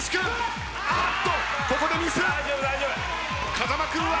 風間君は！？